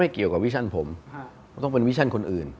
เกี่ยวกับวิชั่นผมต้องเป็นวิชั่นคนอื่น